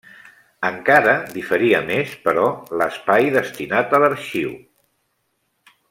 Encara diferia més, però, l'espai destinat a l'arxiu.